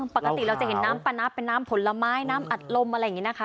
ปกติเราจะเห็นน้ำปลานับเป็นน้ำผลไม้น้ำอัดลมอะไรอย่างนี้นะคะ